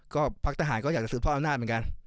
ก็พรรคทหารก็อยากจะสืบพลังวชลัดเหมือนกัน